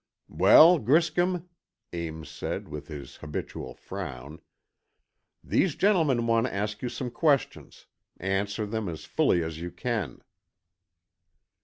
"Well, Griscom," Ames said, with his habitual frown, "these gentlemen want to ask you some questions. Answer them as fully as you can."